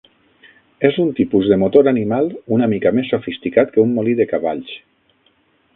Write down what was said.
És un tipus de motor animal una mica més sofisticat que un molí de cavalls.